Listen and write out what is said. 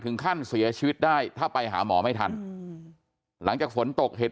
ถึงขั้นเสียชีวิตได้ถ้าไปหาหมอไม่ทันหลังจากฝนตกเห็น